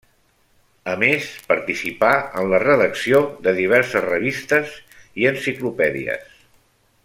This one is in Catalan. A més participà en la redacció de diverses revistes i enciclopèdies.